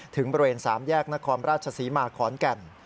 ถึงบริเวณ๓แยกนครราชศรีมาขอนแก่น